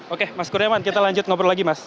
oke mas kuryaman kita lanjut ngobrol lagi mas